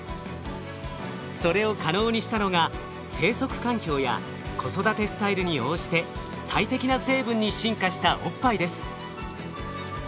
それを可能にしたのが生息環境や子育てスタイルに応じて最適な成分に進化したおっぱいです。